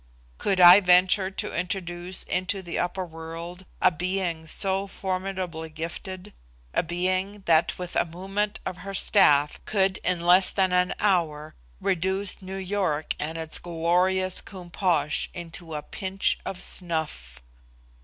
Could I venture to introduce into the upper world a being so formidably gifted a being that with a movement of her staff could in less than an hour reduce New York and its glorious Koom Posh into a pinch of snuff?